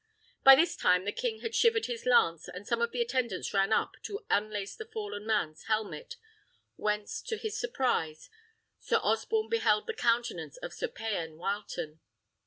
By this time the king had shivered his lance, and some of the attendants ran up to unlace the fallen man's helmet, when, to his surprise, Sir Osborne beheld the countenance of Sir Payan Wileton.